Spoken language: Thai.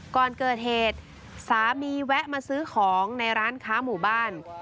ก่อนเกิดเหตุสามีแวะมาซื้อของในร้านค้าหมู่บ้าน